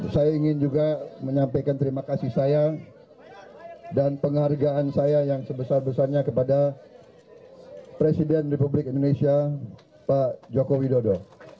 saya ingin juga menyampaikan terima kasih saya dan penghargaan saya yang sebesar besarnya kepada presiden republik indonesia pak joko widodo